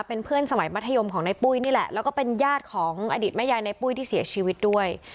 เป็นเพื่อนสมัยมัธยมของในปุ้ยนี่แหละแล้วก็เป็นญาติของอดีตแม่ยายในปุ้ยที่เสียชีวิตด้วย